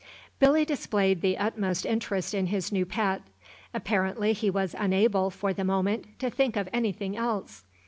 Billy displayed the utmost interest in his new pet; apparently he was unable, for the moment, to think of anything else.